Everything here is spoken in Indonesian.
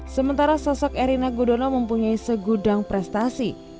sementara sosok erina gudono mempunyai segudang prestasi